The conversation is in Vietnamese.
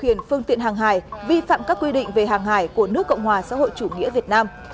hàng hải vi phạm các quy định về hàng hải của nước cộng hòa xã hội chủ nghĩa việt nam